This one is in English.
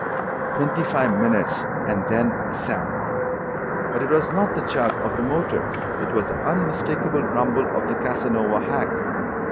Twenty five minutes, and then a sound. But it was not the chug of the motor: it was the unmistakable rumble of the Casanova hack.